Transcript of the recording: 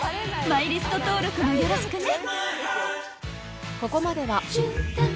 マイリスト登録もよろしくね］